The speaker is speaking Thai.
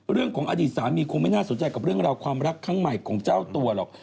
เรื่องของอดีตสามีคงไม่น่าสนใจกับเรื่องราวความรักครั้งใหม่ของเจ้าตัวหรอก